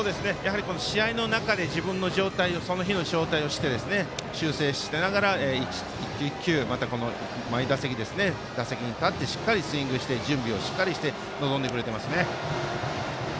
試合の中で自分の状態を修正しながら一球一球、毎打席打席に立ってしっかりスイングして準備をしっかりして臨んでくれてますね。